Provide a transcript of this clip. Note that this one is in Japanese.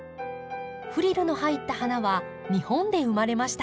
フリルの入った花は日本で生まれました。